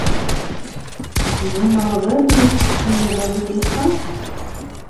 Tzemreḍ ad iyi-testenyiḍ adlis-a?